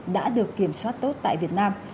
đã được kiểm soát tốt tại việt nam